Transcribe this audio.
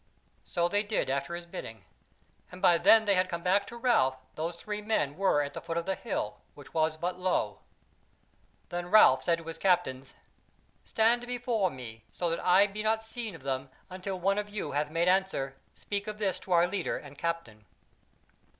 So they did after his bidding, and by then they had come back to Ralph those three men were at the foot of the hill, which was but low. Then Ralph said to his captains: "Stand before me, so that I be not seen of them until one of you hath made answer, 'Speak of this to our leader and captain.'"